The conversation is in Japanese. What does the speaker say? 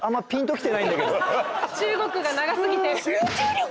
中国が長すぎて。